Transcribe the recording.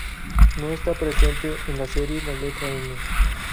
No está presente en la serie la letra Ñ.